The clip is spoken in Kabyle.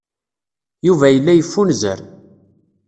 Yuba yella yeffunzer.